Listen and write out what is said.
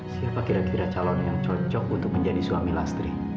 siapa kira kira calon yang cocok untuk menjadi suami lastri